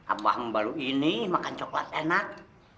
abah membalu ini makan coklat enak